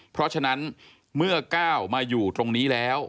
เพราะฉะนั้นเมื่อก้าวมาอยู่ตรงนี้แล้ว